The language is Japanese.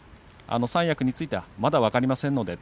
三役についてはまだ分かりませんのでと。